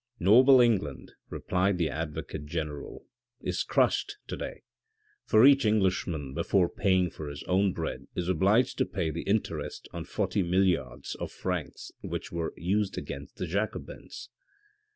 " Noble England," replied the advocate general, " is crushed to day : for each Englishman before paying for his own bread is obliged to pay the interest on forty milliards of francs which were used against the Jacobins.